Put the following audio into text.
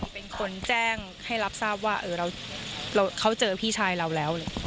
เป็นคนแจ้งให้รับทราบว่าเขาเจอพี่ชายเราแล้ว